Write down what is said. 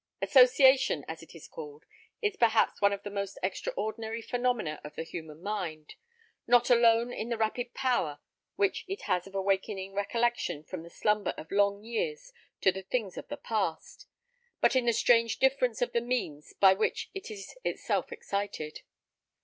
Association, as it is called, is perhaps one of the most extraordinary phenomena of the human mind: not alone in the rapid power which it has of awakening recollection from the slumber of long years to the things of the past, but in the strange difference of the means by which it is itself excited.